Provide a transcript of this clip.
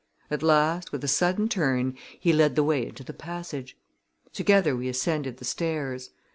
At last, with a sudden turn he led the way into the passage. Together we ascended the stairs.